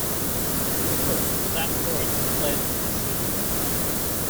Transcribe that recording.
Rickard at that point fled the scene.